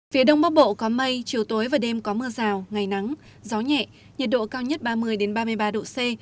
phía đông bắc bộ có mây chiều tối và đêm có mưa rào ngày nắng gió nhẹ nhiệt độ cao nhất ba mươi ba mươi ba độ c